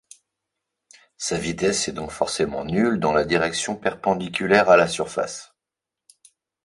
Sa vitesse est donc forcément nulle dans la direction perpendiculaire à la surface.